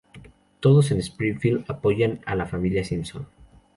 Todos en Springfield apoyan a la familia Simpson.